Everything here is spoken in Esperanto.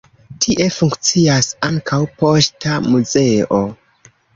Tie funkcias ankaŭ Poŝta Muzeo.